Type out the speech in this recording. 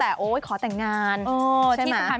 เป็นไงฮี่